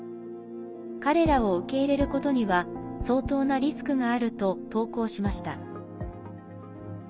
彼らを受け入れることには相当なリスクがあると投稿しました。